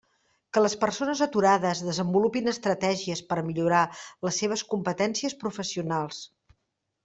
Que les persones aturades desenvolupin estratègies per millorar les seves competències professionals.